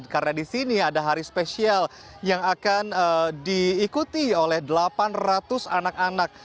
karena di sini ada hari spesial yang akan diikuti oleh delapan ratus anak anak